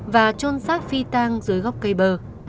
và trôn sát phi tang dưới gốc cây bơ